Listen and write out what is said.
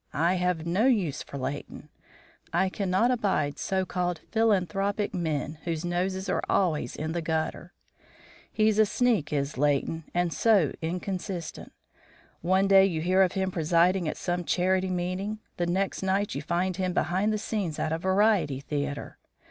I have no use for Leighton. I cannot abide so called philanthropic men whose noses are always in the gutter. He's a sneak, is Leighton, and so inconsistent. One day you hear of him presiding at some charity meeting; the next night you find him behind the scenes at a variety theatre.